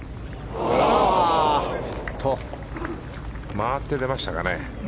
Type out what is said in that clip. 回って出ましたかね。